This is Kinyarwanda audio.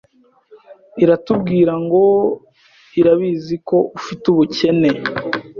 iratubwirango irabiziko ufite ubukene